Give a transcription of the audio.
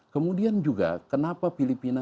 kemudian juga kenapa filipina